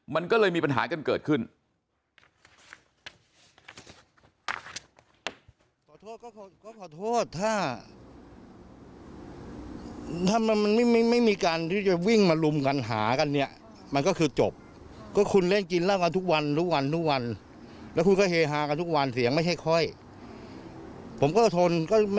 มันก็เลยมีปัญหากันเกิดขึ้น